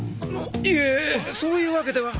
いえそういうわけでは。